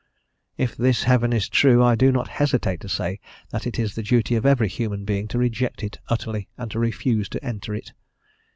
If this heaven is true I do not hesitate to say that it is the duty of every human being to reject it utterly and to refuse to enter it.